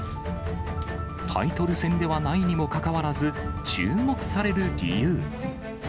タイトル戦ではないにもかかわらず、注目される理由。